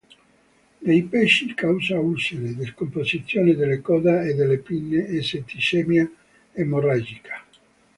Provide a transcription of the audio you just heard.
Nei pesci causa ulcere, decomposizione della coda e delle pinne e setticemia emorragica.